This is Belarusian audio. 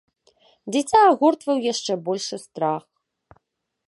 Дзіця агортваў яшчэ большы страх.